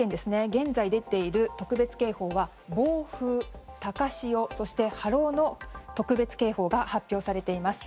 現在、出ている特別警報は暴風、高潮、波浪の特別警報が発表されています。